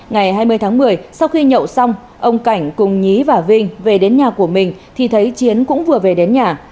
ngày hai mươi tháng một mươi sau khi nhậu xong ông cảnh cùng nhí và vinh về đến nhà của mình thì thấy chiến cũng vừa về đến nhà